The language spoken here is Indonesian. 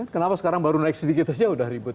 kenapa sekarang baru naik sedikit saja sudah ribut